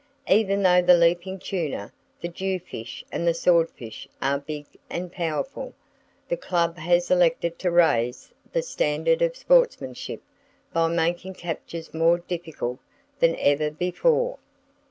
Even though the leaping tuna, the jewfish and the sword fish are big and powerful, the club has elected to raise the standard of sportsmanship by making captures more difficult than ever before.